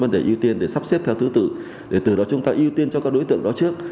vấn đề ưu tiên để sắp xếp theo thứ tự để từ đó chúng ta ưu tiên cho các đối tượng đó trước